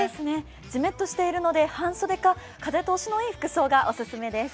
ジメッとしているので半袖か風通しのいい服装がお勧めです。